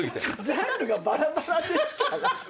ジャンルがバラバラですから。